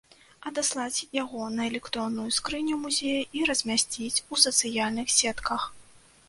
Адаслаць яго на электронную скрыню музея і размясціць у сацыяльных сетках.